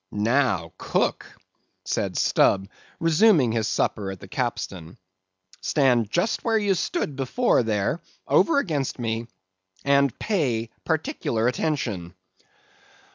"Now, cook," said Stubb, resuming his supper at the capstan; "stand just where you stood before, there, over against me, and pay particular attention."